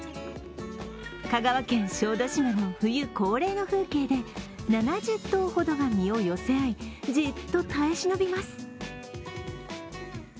香川県小豆島の冬恒例の風景で、７０頭ほどが身を寄せ合い、じっと耐え忍びます。